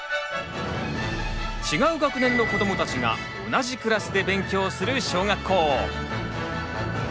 違う学年の子どもたちが同じクラスで勉強する小学校。